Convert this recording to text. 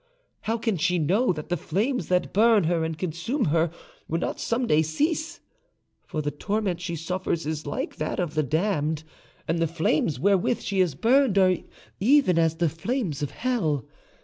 how can she know that the flames that burn her and consume not will some day cease? For the torment she suffers is like that of the damned, and the flames wherewith she is burned are even as the flames of hell.